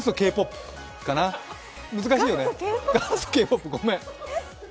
元祖Ｋ−ＰＯＰかな、ごめん。